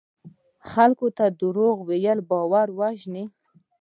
خلکو ته دروغ ویل باور وژني.